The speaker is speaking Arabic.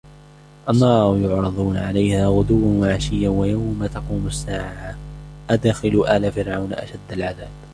النَّارُ يُعْرَضُونَ عَلَيْهَا غُدُوًّا وَعَشِيًّا وَيَوْمَ تَقُومُ السَّاعَةُ أَدْخِلُوا آلَ فِرْعَوْنَ أَشَدَّ الْعَذَابِ